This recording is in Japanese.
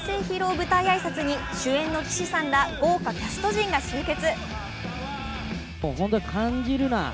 舞台挨拶に主演の岸さんら豪華キャスト陣が集結。